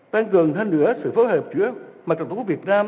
tăng cường hơn nữa sự phối hợp giữa mặt trận tqvn